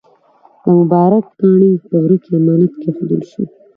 دا مبارک کاڼی په غره کې امانت کېښودل شو.